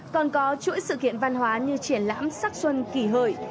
còn có chuỗi sự kiện văn hóa như triển lãm sắc xuân kỷ hợi